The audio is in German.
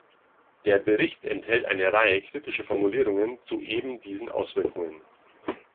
Der Bericht enthält eine Reihe kritischer Formulierungen zu eben diesen Auswirkungen.